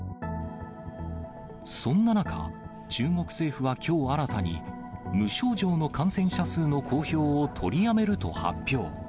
そんな中、中国政府はきょう新たに、無症状の感染者数の公表を取りやめると発表。